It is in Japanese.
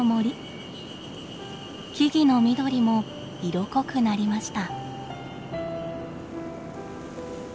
木々の緑も色濃くなりました。